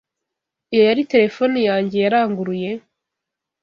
Iyo yari terefone yanjye yaranguruye?